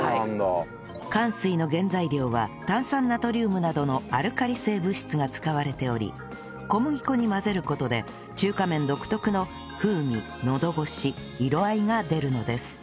かんすいの原材料は炭酸ナトリウムなどのアルカリ性物質が使われており小麦粉に混ぜる事で中華麺独特の風味のどごし色合いが出るのです